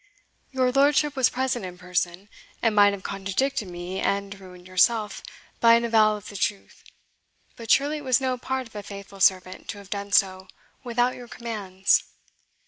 Your lordship was present in person, and might have contradicted me and ruined yourself by an avowal of the truth; but surely it was no part of a faithful servant to have done so without your commands."